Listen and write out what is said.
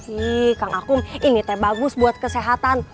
ih kang akum ini teh bagus buat kesehatan